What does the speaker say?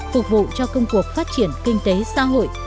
phục vụ cho công cuộc phát triển kinh tế xã hội